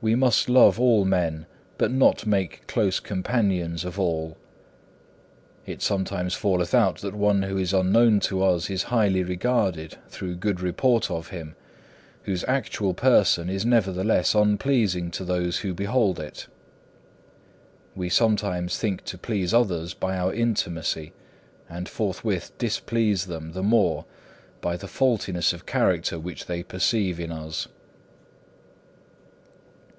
2. We must love all men, but not make close companions of all. It sometimes falleth out that one who is unknown to us is highly regarded through good report of him, whose actual person is nevertheless unpleasing to those who behold it. We sometimes think to please others by our intimacy, and forthwith displease them the more by the faultiness of character which they perceive in us.